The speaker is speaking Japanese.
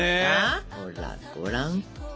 ほらごらん。